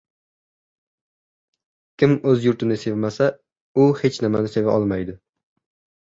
Kim o‘z yurtini sevmasa, u hech nimani seva olmaydi.